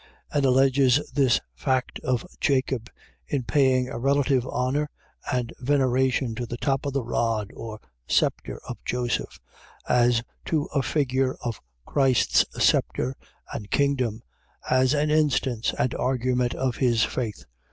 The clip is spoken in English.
and alleges this fact of Jacob, in paying a relative honour and veneration to the top of the rod or sceptre of Joseph, as to a figure of Christ's sceptre and kingdom, as an instance and argument of his faith.